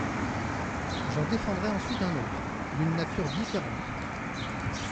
J’en défendrai ensuite un autre, d’une nature différente.